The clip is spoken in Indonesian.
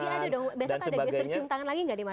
jadi ada dong besok ada semester cium tangan lagi gak nih mas